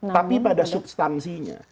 tapi pada substansinya